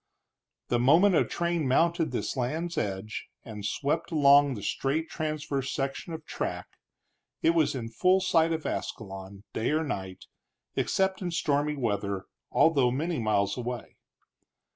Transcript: The moment a train mounted this land's edge and swept along the straight transverse section of track, it was in full sight of Ascalon, day or night, except in stormy weather, although many miles away.